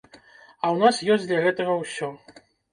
А ў нас ёсць для гэтага ўсё.